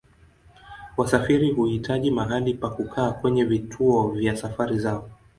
Wasafiri huhitaji mahali pa kukaa kwenye vituo vya safari zao.